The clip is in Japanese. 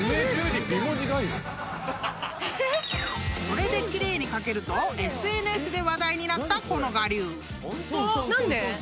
［これで奇麗に書けるとＳＮＳで話題になったこの我流］